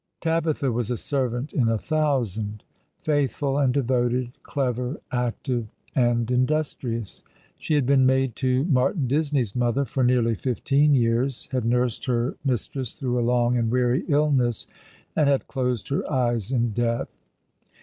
Tabitha was a servant in a thousand, faithful and devoted, clever, active, and industrious. She had been maid to Iklartin Disney's mother for nearly fifteen years, had nursed her mistress through a long and weary illness, and had closed her eyes in death.